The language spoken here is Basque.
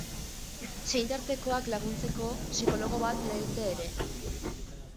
Senitartekoak laguntzeko psikologo bat bidali dute ere.